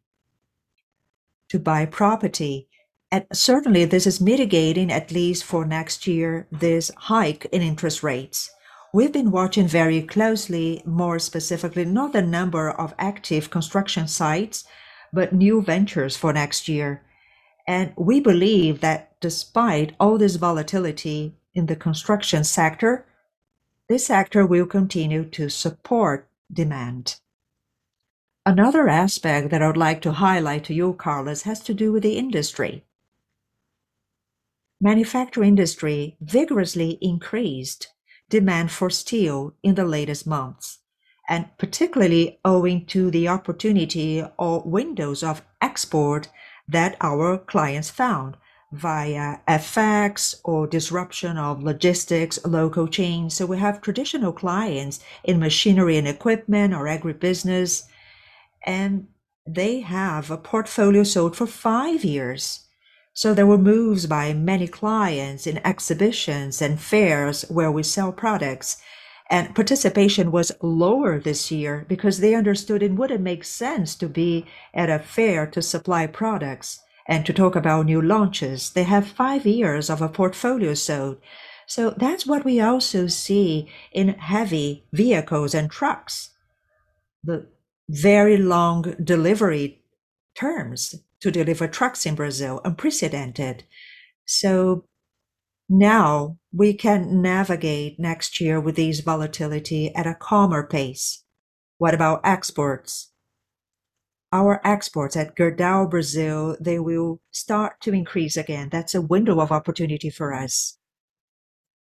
to buy property, and certainly this is mitigating, at least for next year, this hike in interest rates. We've been watching very closely, more specifically, not the number of active construction sites, but new ventures for next year. We believe that despite all this volatility in the construction sector, this sector will continue to support demand. Another aspect that I would like to highlight to you, Carlos, has to do with the industry. Manufacturing industry vigorously increased demand for steel in the latest months, and particularly owing to the opportunity or windows of export that our clients found via effects or disruption of logistics, local chains. We have traditional clients in machinery and equipment or agribusiness, and they have a portfolio sold for five years. There were moves by many clients in exhibitions and fairs where we sell products, and participation was lower this year because they understood it wouldn't make sense to be at a fair to supply products and to talk about new launches. They have five years of a portfolio sold. That's what we also see in heavy vehicles and trucks. The very long delivery terms to deliver trucks in Brazil, unprecedented. Now we can navigate next year with this volatility at a calmer pace. What about exports? Our exports at Gerdau Brazil, they will start to increase again. That's a window of opportunity for us.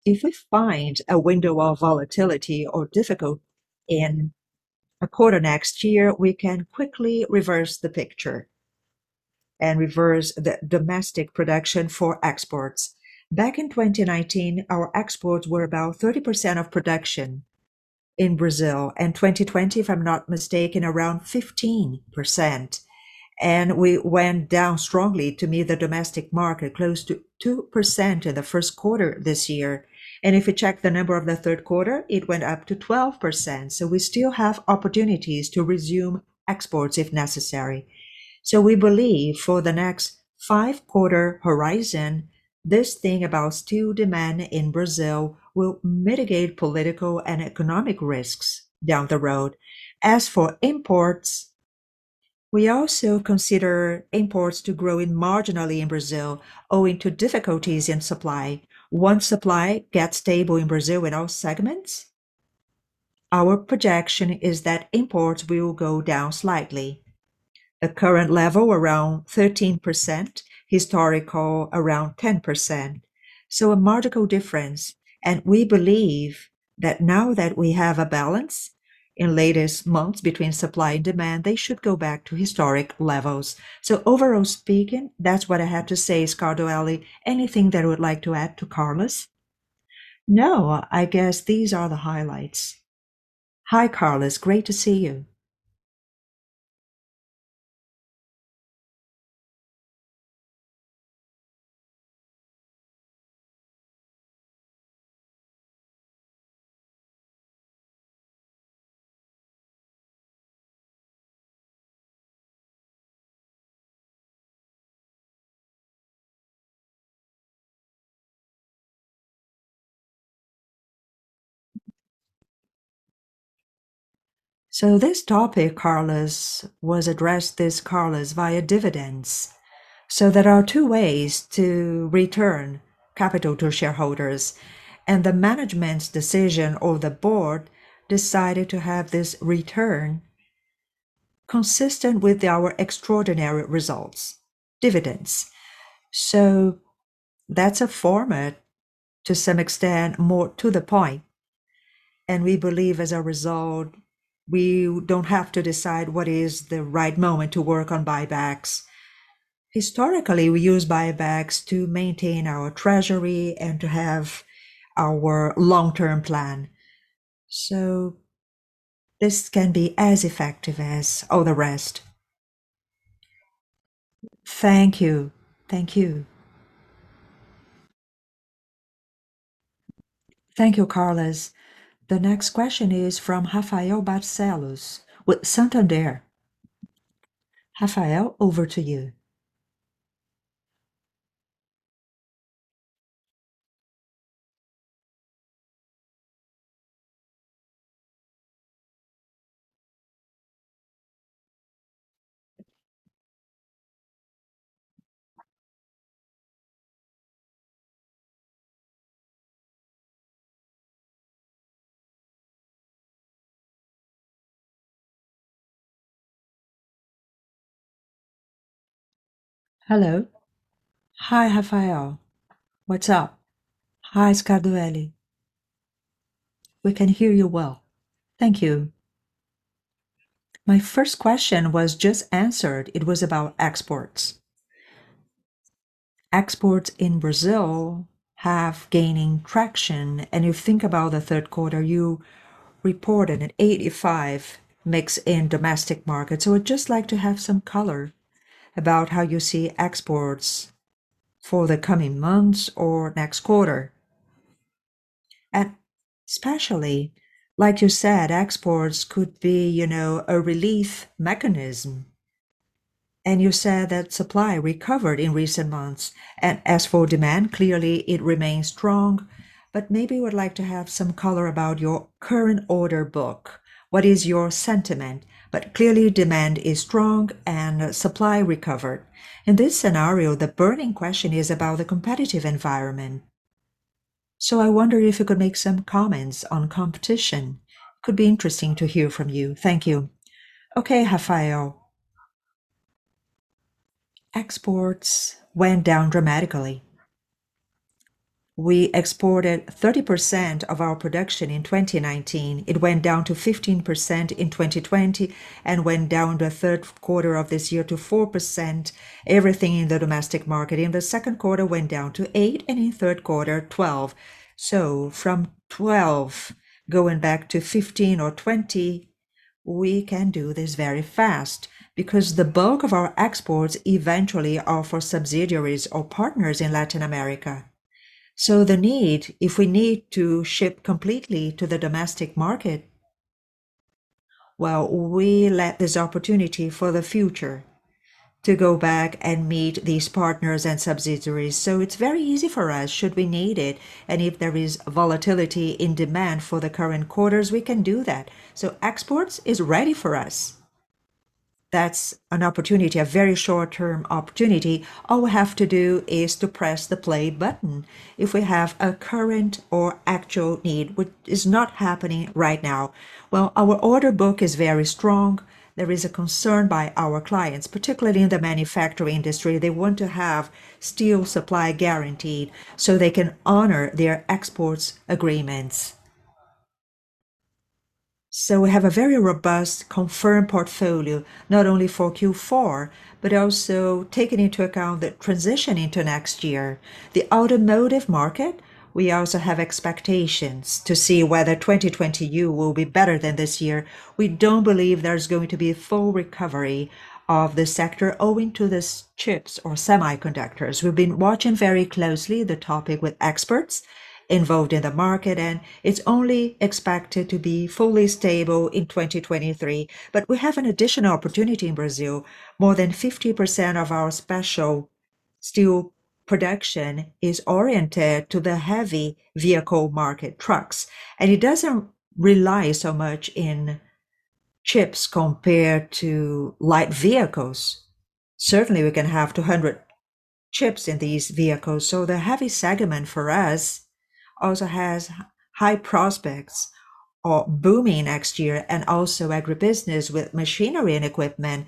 If we find a window of volatility or difficult in a quarter next year, we can quickly reverse the picture and reverse the domestic production for exports. Back in 2019, our exports were about 30% of production in Brazil. In 2020, if I'm not mistaken, around 15%. We went down strongly to meet the domestic market, close to 2% in the first quarter this year. If you check the number of the third quarter, it went up to 12%. We still have opportunities to resume exports if necessary. We believe for the next five-quarter horizon, this thing about steel demand in Brazil will mitigate political and economic risks down the road. As for imports, we also consider imports to grow marginally in Brazil owing to difficulties in supply. Once supply gets stable in Brazil in all segments, our projection is that imports will go down slightly. The current level around 13%, historical around 10%, a marginal difference. We believe that now that we have a balance in latest months between supply and demand, they should go back to historic levels. Overall speaking, that's what I have to say. Scardoelli, anything that you would like to add to Carlos? No, I guess these are the highlights. Hi, Carlos. Great to see you. This topic, Carlos, was addressed via dividends. There are two ways to return capital to shareholders, and the management's decision or the board decided to have this return consistent with our extraordinary results, dividends. That's a format to some extent more to the point, and we believe as a result, we don't have to decide what is the right moment to work on buybacks. Historically, we use buybacks to maintain our treasury and to have our long-term plan. This can be as effective as all the rest. Thank you, Carlos. The next question is from Rafael Barcellos with Santander. Rafael, over to you. Hello. Hi, Rafael. What's up? Hi, Scardoelli. We can hear you well. Thank you. My first question was just answered. It was about exports. Exports in Brazil have been gaining traction, and if you think about the third quarter, you reported an 85% mix in domestic market. I'd just like to have some color about how you see exports for the coming months or next quarter. Especially, like you said, exports could be, you know, a relief mechanism. You said that supply recovered in recent months. As for demand, clearly it remains strong, but I would like to have some color about your current order book. What is your sentiment? Clearly demand is strong and supply recovered. In this scenario, the burning question is about the competitive environment. I wonder if you could make some comments on competition. Could be interesting to hear from you. Thank you. Okay, Rafael. Exports went down dramatically. We exported 30% of our production in 2019. It went down to 15% in 2020 and went down the third quarter of this year to 4%. Everything in the domestic market in the second quarter went down to 8% and in third quarter, 12%. From 12% going back to 15% or 20%, we can do this very fast because the bulk of our exports eventually are for subsidiaries or partners in Latin America. The need, if we need to ship completely to the domestic market, well, we leave this opportunity for the future to go back and meet these partners and subsidiaries. It's very easy for us should we need it, and if there is volatility in demand for the current quarters, we can do that. Exports is ready for us. That's an opportunity, a very short-term opportunity. All we have to do is to press the play button if we have a current or actual need, which is not happening right now. Well, our order book is very strong. There is a concern by our clients, particularly in the manufacturing industry. They want to have steel supply guaranteed so they can honor their export agreements. We have a very robust confirmed portfolio, not only for Q4, but also taking into account the transition into next year. The automotive market, we also have expectations to see whether 2020 will be better than this year. We don't believe there's going to be a full recovery of the sector owing to the chips or semiconductors. We've been watching very closely the topic with experts involved in the market, and it's only expected to be fully stable in 2023. We have an additional opportunity in Brazil. More than 50% of our special steel production is oriented to the heavy vehicle market, trucks, and it doesn't rely so much in chips compared to light vehicles. Certainly, we can have 200 chips in these vehicles. The heavy segment for us also has high prospects or booming next year and also agribusiness with machinery and equipment.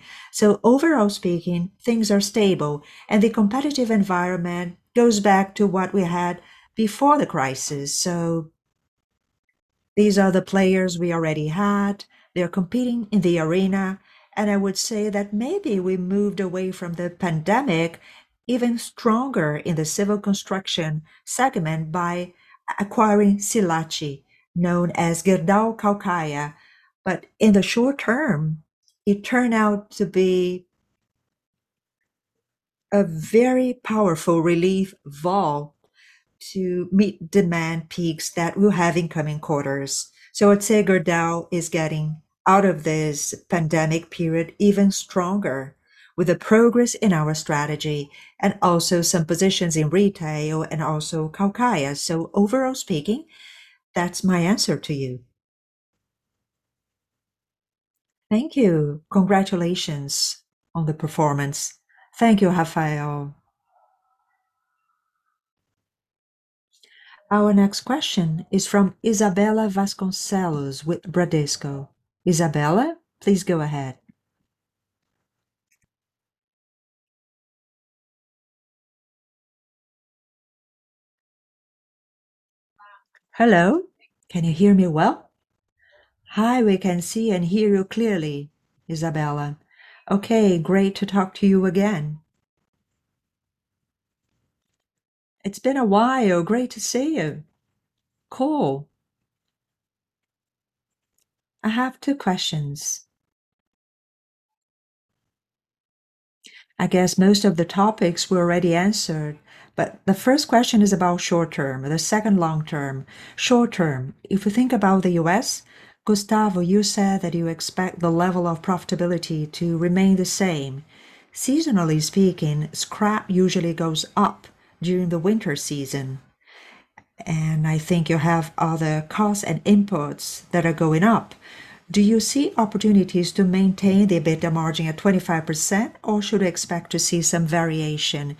Overall speaking, things are stable and the competitive environment goes back to what we had before the crisis. These are the players we already had. They're competing in the arena, and I would say that maybe we moved away from the pandemic even stronger in the civil construction segment by acquiring Silat, known as Gerdau Caucaia. In the short term, it turned out to be a very powerful relief valve to meet demand peaks that we'll have in coming quarters. I'd say Gerdau is getting out of this pandemic period even stronger with the progress in our strategy and also some positions in retail and also Caucaia. Overall speaking, that's my answer to you. Thank you. Congratulations on the performance. Thank you, Rafael. Our next question is from Isabella Vasconcelos with Bradesco. Isabella, please go ahead. Hello. Can you hear me well? Hi. We can see and hear you clearly, Isabella. Okay. Great to talk to you again. It's been a while. Great to see you. Cool. I have two questions. I guess most of the topics were already answered, but the first question is about short term and the second long term. Short term, if we think about the U.S., Gustavo, you said that you expect the level of profitability to remain the same. Seasonally speaking, scrap usually goes up during the winter season, and I think you have other costs and inputs that are going up. Do you see opportunities to maintain the EBITDA margin at 25%, or should we expect to see some variation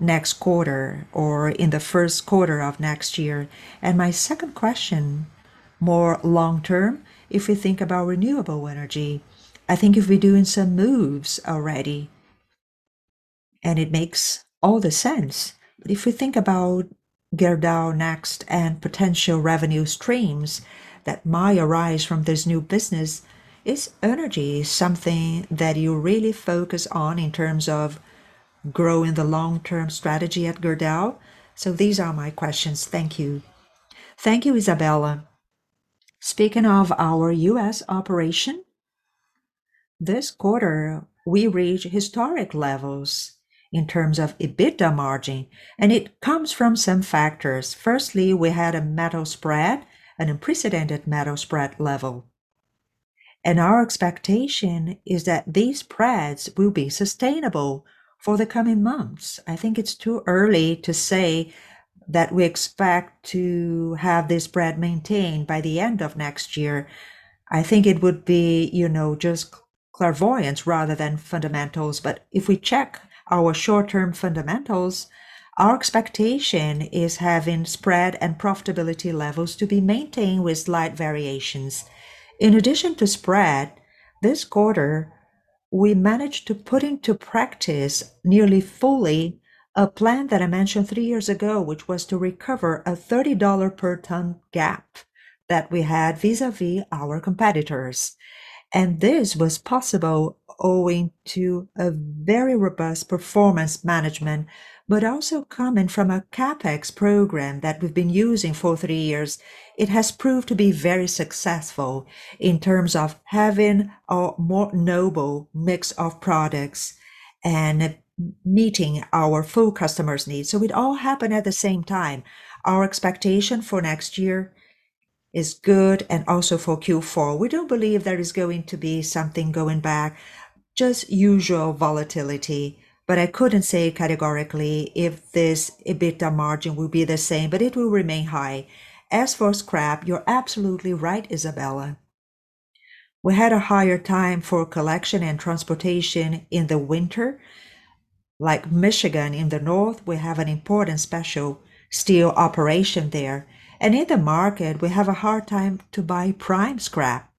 next quarter or in the first quarter of next year? My second question, more long term, if we think about renewable energy, I think if we're doing some moves already and it makes all the sense. If we think about Gerdau Next and potential revenue streams that might arise from this new business, is energy something that you really focus on in terms of growing the long-term strategy at Gerdau? These are my questions. Thank you. Thank you, Isabella. Speaking of our U.S. operation, this quarter we reached historic levels in terms of EBITDA margin, and it comes from some factors. Firstly, we had a metal spread, an unprecedented metal spread level, and our expectation is that these spreads will be sustainable for the coming months. I think it's too early to say that we expect to have this spread maintained by the end of next year. I think it would be, you know, just clairvoyance rather than fundamentals. If we check our short-term fundamentals, our expectation is having spread and profitability levels to be maintained with slight variations. In addition to spread, this quarter we managed to put into practice nearly fully a plan that I mentioned three years ago, which was to recover a $30 per ton gap that we had vis-a-vis our competitors. This was possible owing to a very robust performance management, but also coming from a CapEx program that we've been using for three years. It has proved to be very successful in terms of having a more noble mix of products and meeting our full customers' needs. It all happened at the same time. Our expectation for next year is good and also for Q4. We don't believe there is going to be something going back, just usual volatility, but I couldn't say categorically if this EBITDA margin will be the same, but it will remain high. As for scrap, you're absolutely right, Isabella. We had a higher time for collection and transportation in the winter, like Michigan in the north, we have an important special steel operation there. In the market, we have a hard time to buy prime scrap.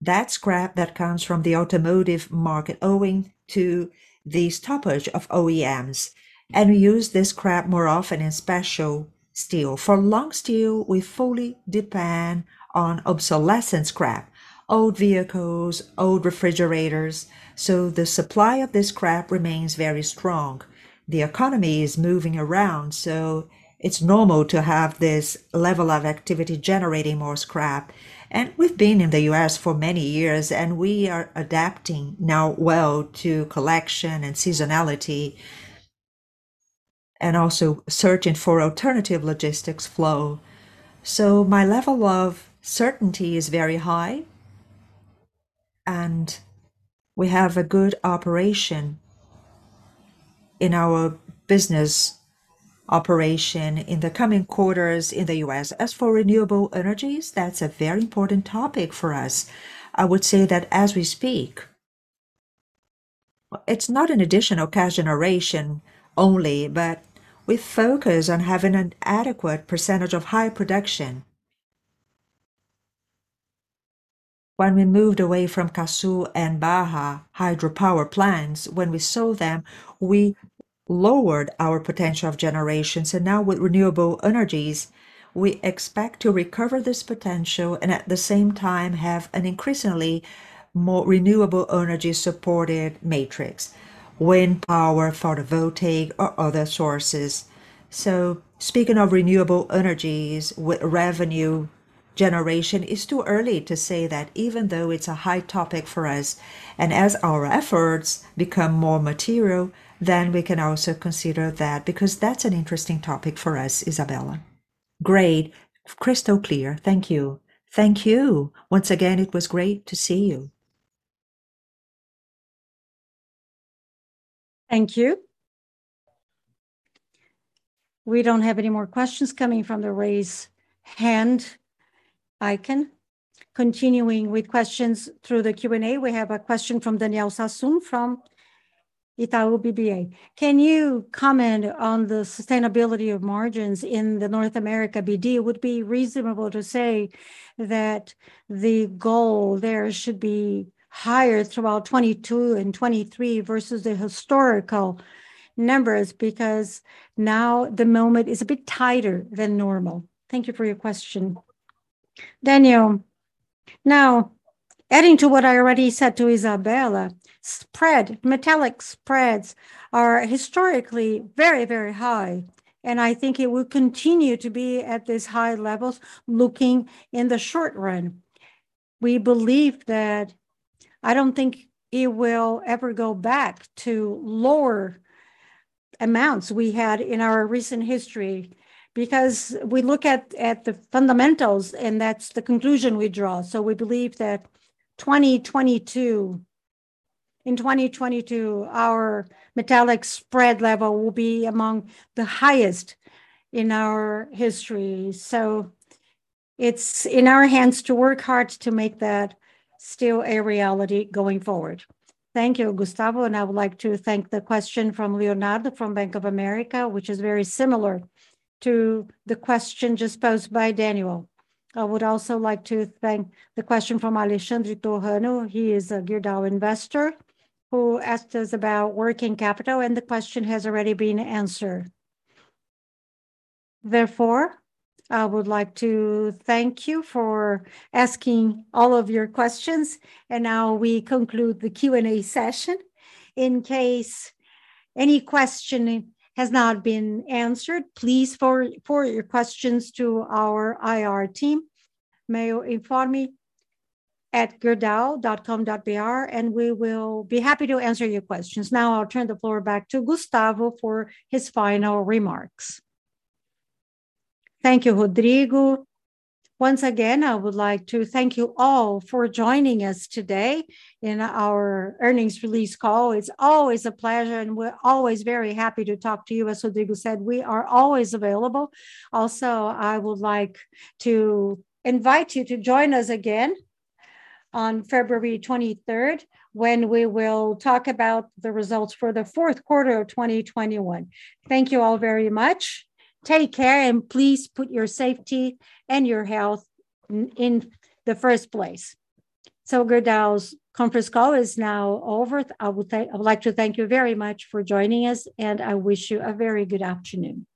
That's scrap that comes from the automotive market owing to the stoppage of OEMs, and we use this scrap more often in special steel. For long steel, we fully depend on obsolescence scrap, old vehicles, old refrigerators, so the supply of this scrap remains very strong. The economy is moving around, so it's normal to have this level of activity generating more scrap. We've been in the U.S. for many years, and we are adapting now well to collection and seasonality and also searching for alternative logistics flow. My level of certainty is very high, and we have a good operation in our business operation in the coming quarters in the U.S. As for renewable energies, that's a very important topic for us. I would say that as we speak, it's not an additional cash generation only, but we focus on having an adequate percentage of high production. When we moved away from Caçu and Barra dos Coqueiros hydropower plants, when we sold them, we lowered our potential of generation. Now with renewable energies, we expect to recover this potential and at the same time have an increasingly more renewable energy-supported matrix, wind power, photovoltaic or other sources. Speaking of renewable energies with revenue generation, it's too early to say that even though it's a hot topic for us. As our efforts become more material, then we can also consider that because that's an interesting topic for us, Isabella. Great. Crystal clear. Thank you. Thank you. Once again, it was great to see you. Thank you. We don't have any more questions coming from the raise hand icon. Continuing with questions through the Q&A, we have a question from Daniel Sasson from Itaú BBA. Can you comment on the sustainability of margins in the North America BD? Would it be reasonable to say that the goal there should be higher throughout 2022 and 2023 versus the historical numbers because now the moment is a bit tighter than normal? Thank you for your question. Daniel, now adding to what I already said to Isabella, metal spreads are historically very, very high, and I think it will continue to be at these high levels looking in the short run. We believe that. I don't think it will ever go back to lower amounts we had in our recent history because we look at the fundamentals, and that's the conclusion we draw. In 2022, our metal spread level will be among the highest in our history. It's in our hands to work hard to make that still a reality going forward. Thank you, Gustavo, and I would like to thank the question from Leonardo from Bank of America, which is very similar to the question just posed by Daniel. I would also like to thank the question from Alexandre Torano. He is a Gerdau investor who asked us about working capital, and the question has already been answered. Therefore, I would like to thank you for asking all of your questions, and now we conclude the Q&A session. In case any question has not been answered, please forward your questions to our IR team, meioinforme@gerdau.com.br, and we will be happy to answer your questions. Now I'll turn the floor back to Gustavo for his final remarks. Thank you, Rodrigo. Once again, I would like to thank you all for joining us today in our earnings release call. It's always a pleasure, and we're always very happy to talk to you. As Rodrigo said, we are always available. Also, I would like to invite you to join us again on February 23rd when we will talk about the results for the fourth quarter of 2021. Thank you all very much. Take care, and please put your safety and your health in the first place. Gerdau's conference call is now over. I would like to thank you very much for joining us, and I wish you a very good afternoon.